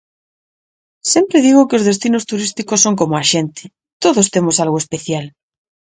Sempre digo que os destinos turísticos son como a xente: todos temos algo especial.